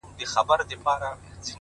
• چي په سره غره کي د کنډوله لاندي ,